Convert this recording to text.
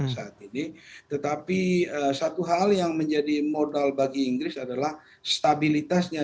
saat ini tetapi satu hal yang menjadi modal bagi inggris adalah stabilitasnya